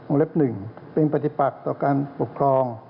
เล็บ๑เป็นปฏิปักต่อการปกครอง